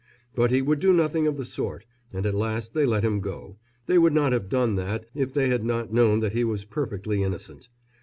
But he would do nothing of the sort, and at last they let him go they would not have done that if they had not known that he was perfectly innocent.